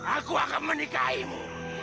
aku akan menikahimu